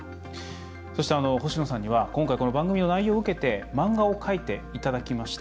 そして、星野さんには今回、この番組の内容を受けて漫画を描いていただきました。